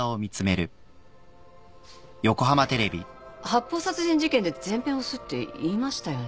発砲殺人事件で全編押すって言いましたよね？